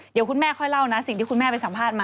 เดี๋ยวคุณแม่ค่อยเล่านะสิ่งที่คุณแม่ไปสัมภาษณ์มา